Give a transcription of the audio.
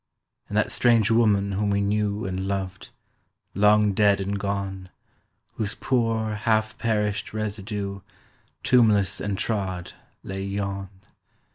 And that strange woman whom we knew And loved—long dead and gone, Whose poor half perished residue, Tombless and trod, lay yon!